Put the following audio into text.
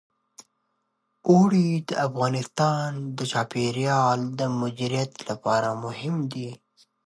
اوړي د افغانستان د چاپیریال د مدیریت لپاره مهم دي.